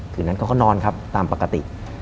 คืนนั้นเขาก็นอนครับตามปกติ